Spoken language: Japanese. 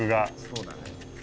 そうだね。